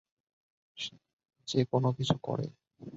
যে কোন কিছু করে।